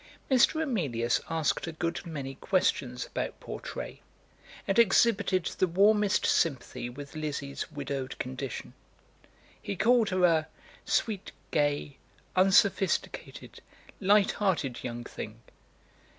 Mr. Emilius asked a good many questions about Portray, and exhibited the warmest sympathy with Lizzie's widowed condition. He called her a "sweet, gay, unsophisticated, light hearted young thing."